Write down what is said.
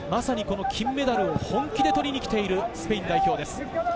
まさに金メダルを本気で取りに来ているスペイン代表です。